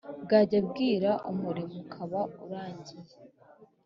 , bwajya kwira umuriro ukaba uragiye